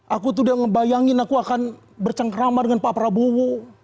aku tuh udah ngebayangin aku akan bercangkrama dengan pak prabowo